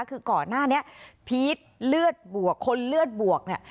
คือก่อนหน้านี้พีชเลือดบวกคนเลือดบวกเนี่ย